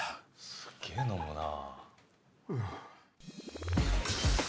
すげえ飲むなあ。